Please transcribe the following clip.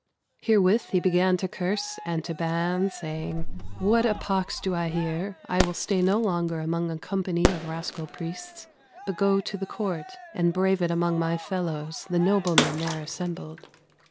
Heerewith he began to curse and to banne, saying, 'What a poxe do I heare? I will stay no longer among a company of rascal priests, but goe to the court and brave it amongst my fellowes, the noblemen there assembled.'